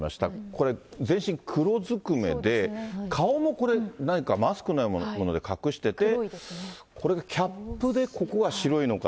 これ、全身黒ずくめで、顔もこれ、何かマスクのようなもので隠してて、これがキャップで、ここが白いのか。